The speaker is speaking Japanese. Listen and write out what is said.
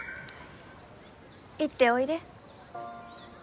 行っておいで。